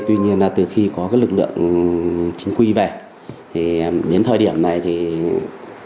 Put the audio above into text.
tuy nhiên từ khi có lực lượng chính quy về đến thời điểm này không được giải quyết